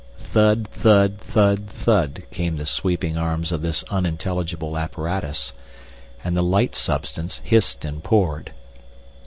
Thud, thud, thud, thud, came the sweeping arms of this unintelligible apparatus, and the light substance hissed and poured.